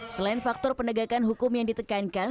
selain faktor penegakan hukum yang ditekankan